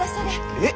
えっ！